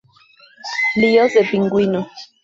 Líos de Pingüino